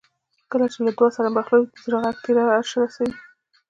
چې کله له دعا سره مخلوط شي د زړه غږ تر عرشه رسوي.